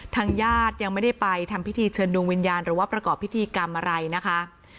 ทางญาติยังไม่ได้ไปทำพิธีเชิญดวงวิญญาณหรือว่าประกอบพิธีกรรมอะไรนะคะ